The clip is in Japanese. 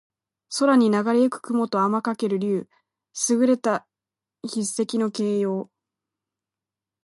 空にながれ行く雲と空翔ける竜。能書（すぐれた筆跡）の形容。